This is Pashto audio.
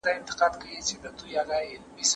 زه به سبا ښوونځی ځم،